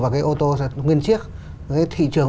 vào cái ô tô nguyên chiếc thị trường